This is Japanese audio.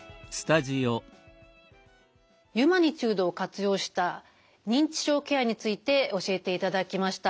ユマニチュードを活用した認知症ケアについて教えていただきました。